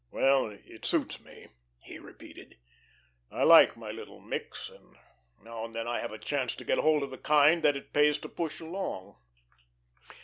"Well, it suits me," he repeated. "I like my little micks, and now and then I have a chance to get hold of the kind that it pays to push along.